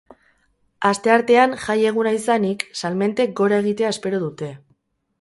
Asteartean, jai eguna izanik, salmentek gora egitea espero dute.